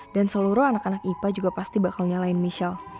dan seluruh anak anak ipa juga pasti bakal nyalahin michelle